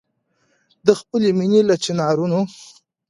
د خپلي مېني له چنارونو